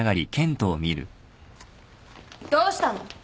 ・どうしたの？